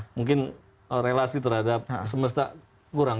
mungkin relasi terhadap semesta kurang